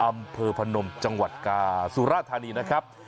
อำเภอพนมจังหวัดกาสุรธานีนะครับ